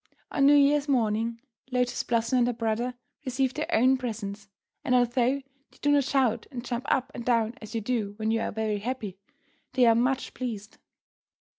On New Year's morning Lotus Blossom and her brother receive their own presents, and although they do not shout and jump up and down as you do when you are very happy, they are much pleased.